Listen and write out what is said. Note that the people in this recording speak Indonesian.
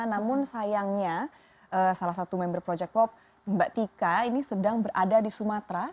namun sayangnya salah satu member project pop mbak tika ini sedang berada di sumatera